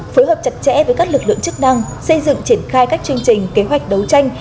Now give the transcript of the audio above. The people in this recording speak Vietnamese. phối hợp chặt chẽ với các lực lượng chức năng xây dựng triển khai các chương trình kế hoạch đấu tranh